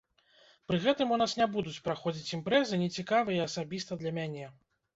Пры гэтым у нас не будуць праходзіць імпрэзы, не цікавыя асабіста для мяне.